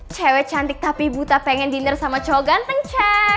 cewek cantik tapi buta pengen dinner sama cowok ganteng chak